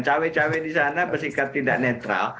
cewek cewek di sana pasti tidak netral